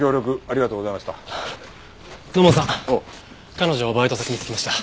彼女バイト先に着きました。